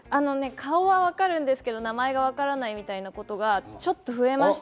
顔は分かるんですけど名前がわからないみたいなことがちょっと増えました。